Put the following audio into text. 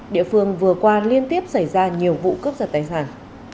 địa phương vừa qua liên tiếp xảy ra nhiều vụ cướp giật tài sản